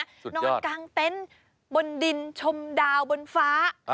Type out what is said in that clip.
นอนกลางเต็นต์บนดินชมดาวบนฟ้า